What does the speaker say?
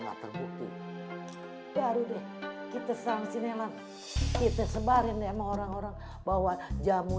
nggak terbukti baru deh kita sang sinetan kita sebarin emang orang orang bahwa jamu